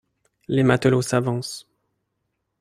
Les matelots s’avancent.